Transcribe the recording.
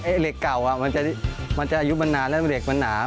เหล็กเก่ามันจะอายุมันนานแล้วเหล็กมันหนา